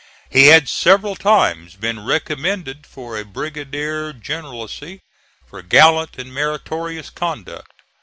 He had several times been recommended for a brigadier generalcy for gallant and meritorious conduct.